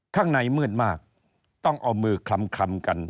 ข้างในมืดมากต้องเอามือคลำกัน